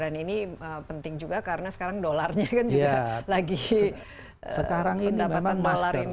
dan ini penting juga karena sekarang dolarnya kan juga lagi pendapatan dolar ini kan